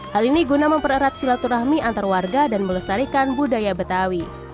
hal ini guna mempererat silaturahmi antar warga dan melestarikan budaya betawi